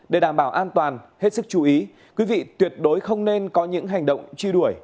để đảm bảo an toàn hết sức chú ý quý vị tuyệt đối không nên có những hành động truy đuổi